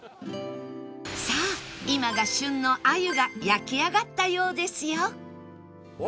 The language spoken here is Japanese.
さあ今が旬の鮎が焼き上がったようですよ